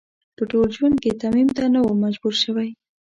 په ټول ژوند کې تيمم ته نه وم مجبور شوی.